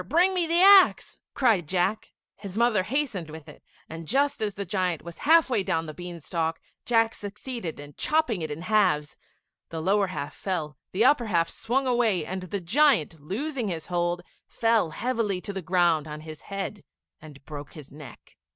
bring me the axe," cried Jack. His mother hastened with it, and just as the giant was half way down the bean stalk, Jack succeeded in chopping it in halves; the lower half fell; the upper half swung away, and the giant, losing his hold, fell heavily to the ground on his head and broke his neck.